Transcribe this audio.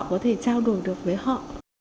có thể trao đổi được với họ